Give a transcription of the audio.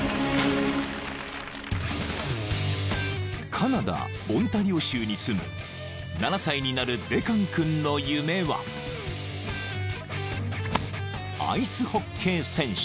［カナダオンタリオ州に住む７歳になるデカン君の夢はアイスホッケー選手］